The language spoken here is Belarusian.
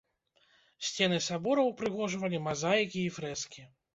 Сцены сабора ўпрыгожвалі мазаікі і фрэскі.